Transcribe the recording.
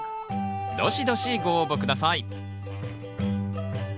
どしどしご応募下さい。